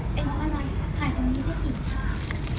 ถ่ายตรงนี้ได้อีกค่ะ